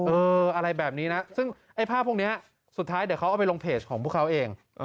อะไรแบบนี้นะซึ่งไอ้ภาพพวกนี้สุดท้ายเดี๋ยวเขาเอาไปลงเพจของพวกเขาเอง